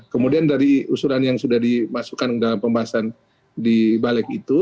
kemudian dari usulan yang sudah dimasukkan dalam pembahasan di balik itu